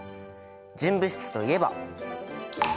純物質といえば。